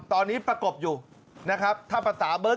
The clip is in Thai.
ตอนนี้ประกบอยู่ถ้าประสาบเบอร์